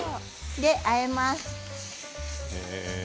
で、あえます。